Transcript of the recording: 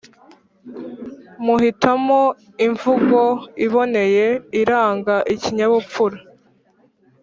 muhitamo imvugo iboneye iranga ikinyabupfura